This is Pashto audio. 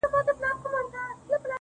او نژدې شل زره کسان ټپيان سول